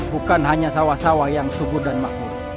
bukan hanya sawah sawah yang subur dan makmur